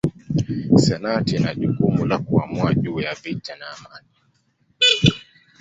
Senati ina jukumu la kuamua juu ya vita na amani.